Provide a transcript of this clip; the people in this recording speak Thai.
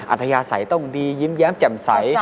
อัธยาศัยต้องดียิ้มแย้มแจ่มใส